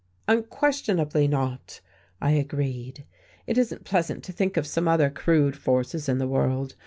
"Unquestionably not," I agreed. "It isn't pleasant to think of some other crude forces in the world.